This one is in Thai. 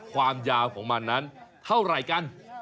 ความยาวของมันนั้นเท่าไหร่กัน